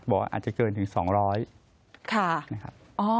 บอกว่าอาจจะเกินถึงสองร้อยค่ะนะครับอ๋อ